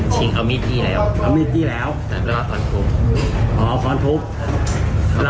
ชิงเอามิดที่แล้วเอามิดที่แล้วแต่เวลาฝนภูมิอ๋อฝนภูมิ